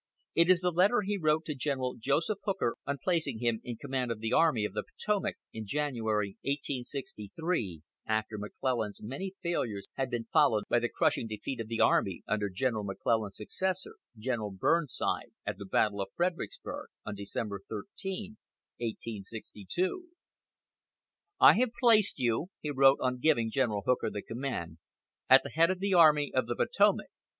It is the letter he wrote to General Joseph Hooker on placing him in command of the Army of the Potomac in January, 1863, after McClellan's many failures had been followed by the crushing defeat of the army under General McClellan's successor, General Burnside, at the battle of Fredericksburg, on December 13, 1862. "I have placed you," he wrote on giving General Hooker the command, "at the head of the Army of the Potomac.